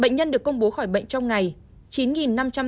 bệnh nhân được công bố khỏi bệnh trong ngày chín năm trăm tám mươi bảy ca